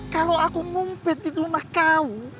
kalau aku mumpit di rumah kau